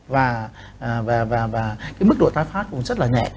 và mức độ tái pháp cũng rất là nhẹ